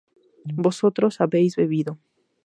vosotros habéis bebido